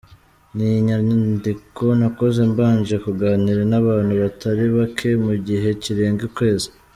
Ni inyandiko nakoze mbanje kuganira n’abantu batari bake mu gihe kirenga ukwezi.